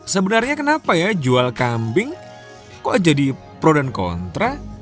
sebenarnya kenapa ya jual kambing kok jadi pro dan kontra